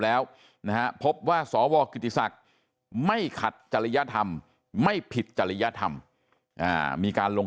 แล้วนะฮะพบว่าสวกิติศักดิ์ไม่ขัดจริยธรรมไม่ผิดจริยธรรมมีการลง